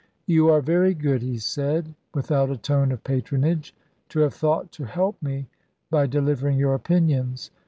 "You are very good," he said, without a tone of patronage, "to have thought to help me by delivering your opinions.